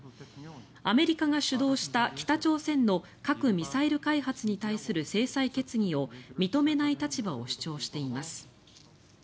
アメリカが主導した、北朝鮮の核・ミサイル開発に対する制裁決議を認めない立場を主張しています。